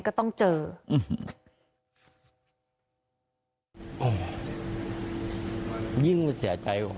ก็คล้ายกับครึ้ม